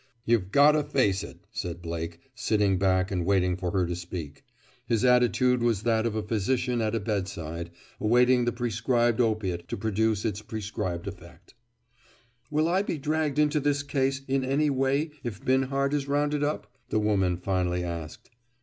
"You've got 'o face it," said Blake, sitting back and waiting for her to speak. His attitude was that of a physician at a bedside, awaiting the prescribed opiate to produce its prescribed effect. "Will I be dragged into this case, in any way, if Binhart is rounded up?" the woman finally asked.